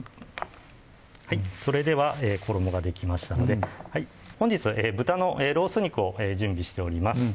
それでは衣ができましたので本日豚のロース肉を準備しております